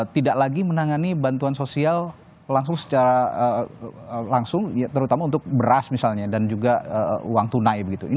tidak lagi menangani bantuan sosial langsung secara langsung terutama untuk beras misalnya dan juga uang tunai begitu